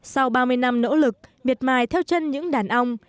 sau ba mươi năm nỗ lực miệt mài theo chân những đàn ong